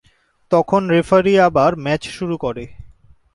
তখন রেফারি আবার ম্যাচ শুরু করে।